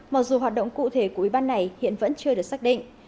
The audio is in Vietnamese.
mặc dù hoạt động cụ thể của ủy ban này hiện vẫn chưa được xác định